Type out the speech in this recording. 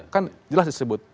kan jelas disebut